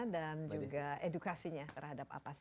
dan juga edukasinya terhadap apa saja